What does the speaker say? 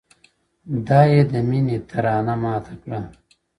دا يې د ميــــني تـرانـــه ماته كــړه!!